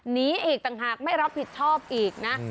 หนีอีกต่างหากไม่รับผิดชอบอีกนะ